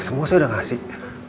semua saya udah ngasih